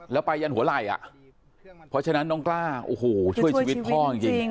แล้วไปยันหัวไหล่อ่ะเพราะฉะนั้นน้องกล้าโอ้โหช่วยชีวิตพ่อจริง